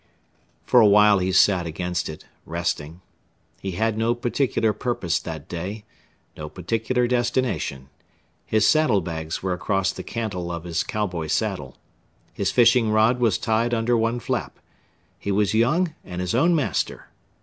For a while he sat against it resting. He had no particular purpose that day no particular destination. His saddle bags were across the cantle of his cow boy saddle. His fishing rod was tied under one flap. He was young and his own master.